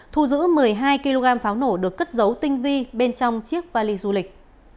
thu giữ một mươi hai kg pháo nổ được cất dấu tinh vi bên trong chiếc vali du lịch